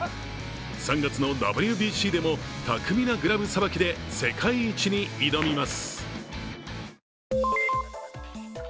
３月のＷＢＣでも巧みなグラブさばきで世界一に挑みます。